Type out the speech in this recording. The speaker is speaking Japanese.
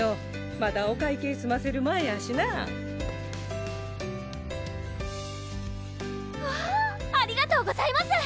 まだお会計すませる前やしなぁわぁありがとうございます！